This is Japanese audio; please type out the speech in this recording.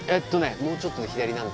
もうちょっとで左なんだ。